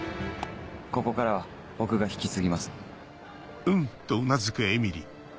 ここからは僕が引き継ぎます。